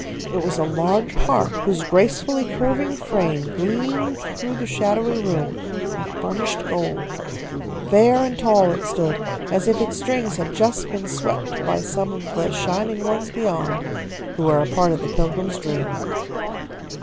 It was a large harp, whose gracefully curving frame gleamed through the shadowy room like burnished gold. Fair and tall it stood, as if its strings had just been swept by some of the Shining Ones beyond, who were a part of the Pilgrim's dream.